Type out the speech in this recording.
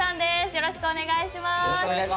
よろしくお願いします。